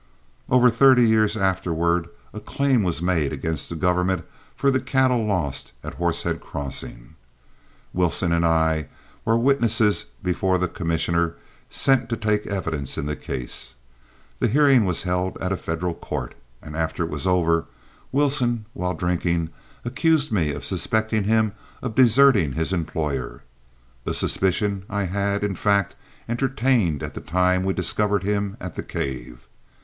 Over thirty years afterward a claim was made against the government for the cattle lost at Horsehead Crossing. Wilson and I were witnesses before the commissioner sent to take evidence in the case. The hearing was held at a federal court, and after it was over, Wilson, while drinking, accused me of suspecting him of deserting his employer, a suspicion I had, in fact, entertained at the time we discovered him at the cave.